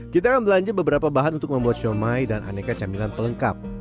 kita akan belanja beberapa bahan untuk membuat siomay dan aneka camilan pelengkap